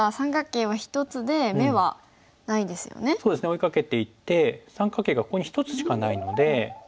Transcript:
追いかけていって三角形がここに１つしかないので。